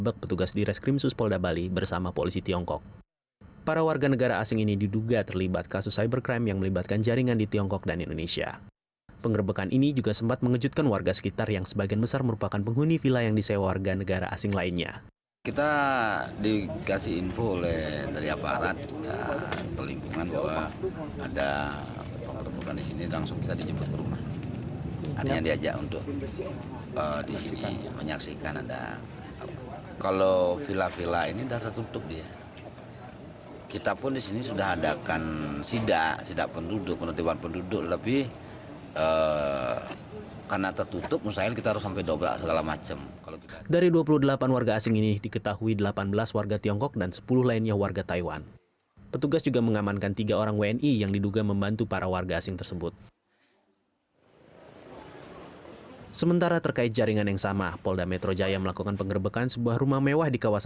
komplotan ini diduga terlibat kasus cybercrime yang melibatkan jaringan di surabaya bali dan juga jakarta